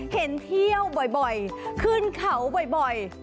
เห็นเที่ยวบ่อยขึ้นเขาบ่อย